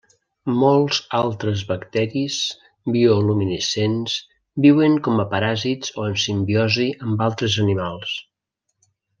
Molts altres bacteris bioluminescents viuen com a paràsits o en simbiosi amb altres animals.